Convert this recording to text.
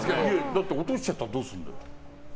だって落しちゃったらどうするんだよ。